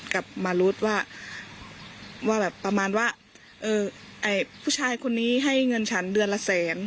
กลับมารู้ว่าว่าแบบประมาณว่าผู้ชายคนนี้ให้เงินฉันเดือนละแสน